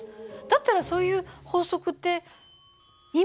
だったらそういう法則って意味あるの？